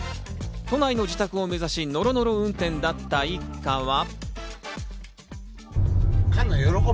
都内の自宅を目指し、ノロノロ運転だった一家は。